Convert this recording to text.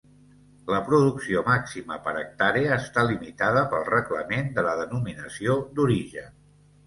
La producció màxima per hectàrea està limitada pel Reglament de la denominació d'origen.